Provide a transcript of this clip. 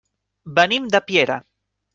Venim de Piera.